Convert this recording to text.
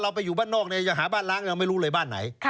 เราไปอยู่บ้านนอกหาบ้านล้างเราไม่รู้เลยบ้านไหน